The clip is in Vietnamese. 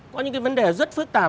có những cái vấn đề rất phức tạp